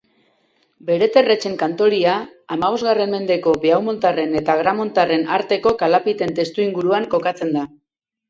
Bereterretxen Khantoria hamabostgarren mendeko Beaumontarren eta Agaramontarren arteko kalapiten testuinguruan kokatzen da.